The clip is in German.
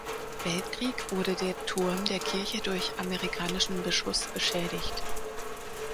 Weltkrieg wurde der Turm der Kirche durch amerikanischen Beschuss beschädigt.